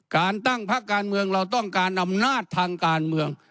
การตั้งพักการเมืองเราต้องการอำนาจทางการเมือง